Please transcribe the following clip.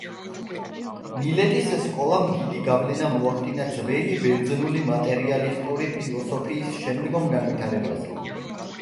მილეტის სკოლამ დიდი გავლენა მოახდინა ძველი ბერძნული მატერიალისტური ფილოსოფიის შემდგომ განვითარებაზე.